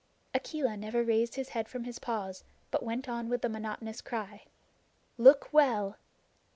Akela never raised his head from his paws, but went on with the monotonous cry: "Look well!"